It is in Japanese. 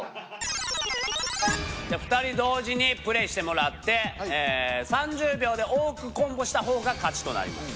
２人同時にプレーしてもらって３０秒で多くコンボしたほうが勝ちとなります。